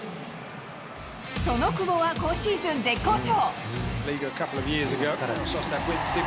その久保は今シーズン、絶好調。